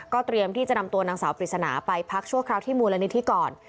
เตรียมที่จะนำตัวนางสาวปริศนาไปพักชั่วคราวที่มูลนิธิก่อน